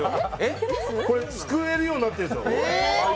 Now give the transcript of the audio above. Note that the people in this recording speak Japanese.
これ、すくえるようになってるんですよ。